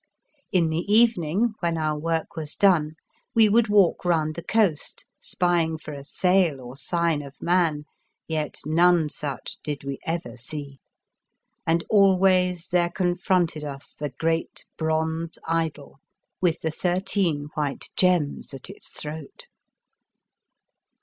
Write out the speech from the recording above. In the evening when our work was done we would walk round the coast spying for a sail or sign of man, yet none such did we ever see ; and always there confronted us the great bronze idol, with the thirteen white gems at its throat.